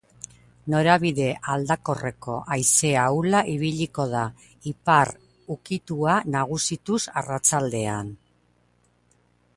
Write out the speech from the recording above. Norabide aldakorreko haize ahula ibiliko da, ipar ukitua nagusituz arratsaldean.